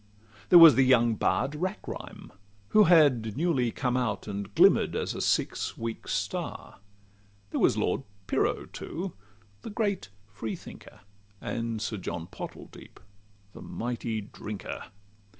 There was the young bard Rackrhyme, who had newly Come out and glimmer'd as a six weeks' star. There was Lord Pyrrho, too, the great freethinker; And Sir John Pottledeep, the mighty drinker.